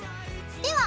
では